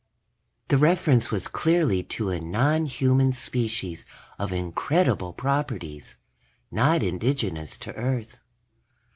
The reference was clearly to a nonhuman species of incredible properties, not indigenous to Earth.